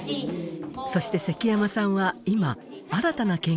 そして積山さんは今新たな研究を始めています。